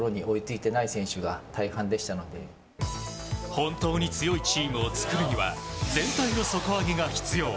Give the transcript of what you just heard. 本当に強いチームを作るには全体の底上げが必要。